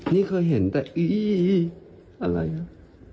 นี่เคยเห็นแต่อีอะไรอ่ะ